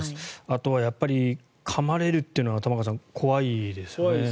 あとはやっぱりかまれるというのは怖いですね。